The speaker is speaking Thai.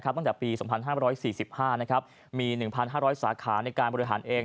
ตั้งแต่ปี๒๕๔๕มี๑๕๐๐สาขาในการบริหารเอง